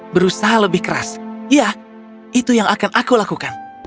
berusaha lebih keras ya itu yang akan aku lakukan